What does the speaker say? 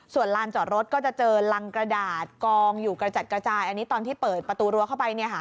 ส่วนลานจอดรถก็จะเจอรังกระดาษกองอยู่กระจัดกระจายอันนี้ตอนที่เปิดประตูรั้วเข้าไป